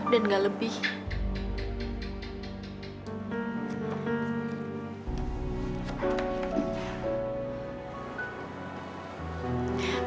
dan gak lebih